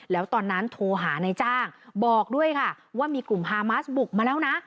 แล้วตอนนั้นโทรหานายจ้างบอกด้วยค่ะว่ามีกลุ่มฮามาสบุกมาแล้วนะ